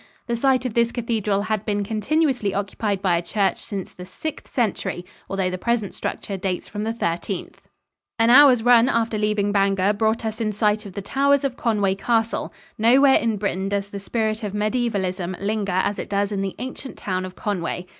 The site of this cathedral had been continuously occupied by a church since the Sixth Century, although the present structure dates from the Thirteenth. An hour's run after leaving Bangor brought us in sight of the towers of Conway Castle. Nowhere in Britain does the spirit of mediaevalism linger as it does in the ancient town of Conway.